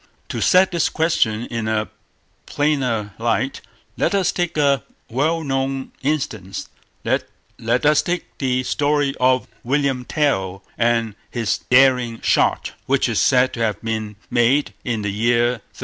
To set this question in a plainer light, let us take a well known instance; let us take the story of William Tell and his daring shot, which is said to have been made in the year 1307.